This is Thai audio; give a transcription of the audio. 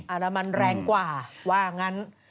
อารมันแรงกว่าว่างั้น